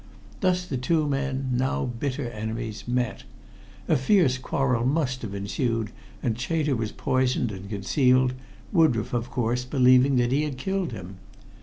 Thus the two men, now bitter enemies, met. A fierce quarrel must have ensued, and Chater was poisoned and concealed, Woodroffe, of course, believing he had killed him.